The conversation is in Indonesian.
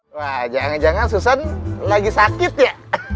wajahnya jangan susan lagi sakit ya